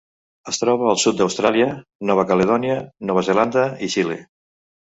Es troba al sud d'Austràlia, Nova Caledònia, Nova Zelanda i Xile.